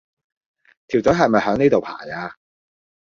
條隊係咪響呢度排呀？